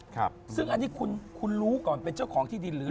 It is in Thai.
ครับซึ่งอันนี้คุณคุณรู้ก่อนเป็นเจ้าของที่ดินหรือ